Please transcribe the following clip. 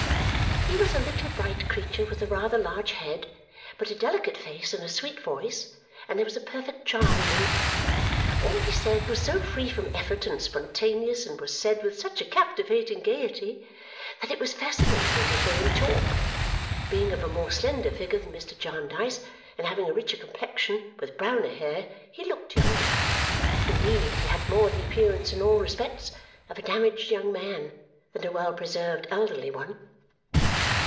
He was a little bright creature with a rather large head, but a delicate face and a sweet voice, and there was a perfect charm in him. All he said was so free from effort and spontaneous and was said with such a captivating gaiety that it was fascinating to hear him talk. Being of a more slender figure than Mr. Jarndyce and having a richer complexion, with browner hair, he looked younger. Indeed, he had more the appearance in all respects of a damaged young man than a well preserved elderly one.